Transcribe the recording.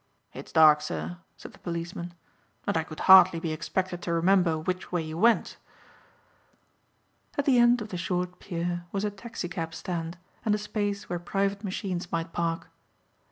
"It's dark, sir," said the policeman, "and I could hardly be expected to remember which way you went." At the end of the short pier was a taxicab stand and a space where private machines might park.